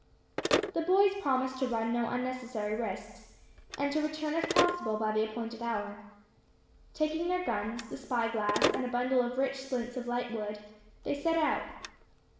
The boys promised to run no unnecessary risks, and to return if possible by the appointed hour. Taking their guns, the spy glass, and a bundle of rich splints of lightwood, they set out.